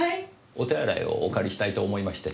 お手洗いをお借りしたいと思いまして。